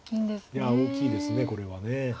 いや大きいですこれは。